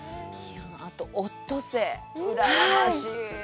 あとオットセイ、うらやましい。